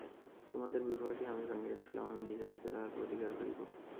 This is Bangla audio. তোমাদের বিবাহটি আমিই ভাঙিয়াছিলাম, আমি নিজের হাতে তাহার প্রতিকার করিব।